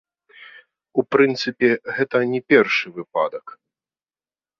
У прынцыпе, гэта не першы выпадак.